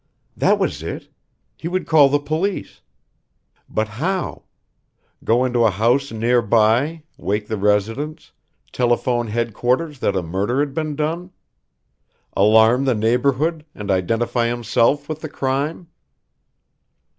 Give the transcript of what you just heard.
That was it he would call the police. But how? Go into a house near by, wake the residents, telephone headquarters that a murder had been done? Alarm the neighborhood, and identify himself with the crime?